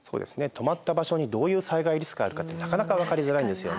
止まった場所にどういう災害リスクがあるかっていうのはなかなか分かりづらいんですよね。